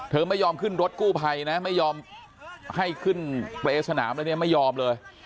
ไม่ยอมขึ้นรถกู้ภัยนะไม่ยอมให้ขึ้นเปรย์สนามอะไรเนี่ยไม่ยอมเลย